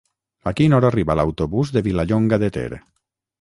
A quina hora arriba l'autobús de Vilallonga de Ter?